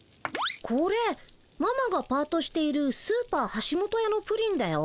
これママがパートしているスーパーはしもとやのプリンだよ。